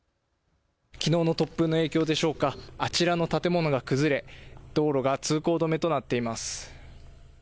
きのうの突風の影響でしょうかあちらの建物が崩れ道路が通行止めとなっています。